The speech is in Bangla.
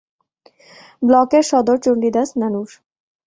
ব্লকের সদর চণ্ডীদাস নানুর।